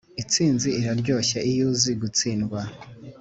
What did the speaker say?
“intsinzi iraryoshye iyo uzi gutsindwa.”